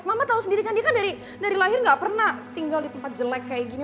mama tahu sendiri kan dia kan dari lahir nggak pernah tinggal di tempat jelek kayak gini